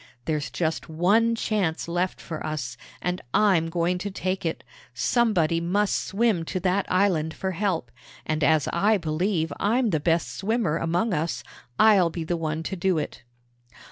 There's just one chance left for us, and I'm going to take it. Somebody must swim to that island for help, and as I believe I'm the best swimmer among us, I'll be the one to do it."